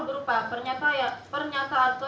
berupa pernyataan pernyataan